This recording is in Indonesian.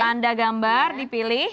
tanda gambar dipilih